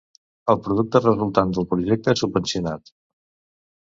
El producte resultant del projecte subvencionat.